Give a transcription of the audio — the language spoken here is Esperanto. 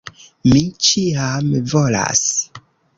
Mi ĉiam volas!